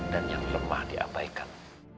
dan yang lemah diabaikan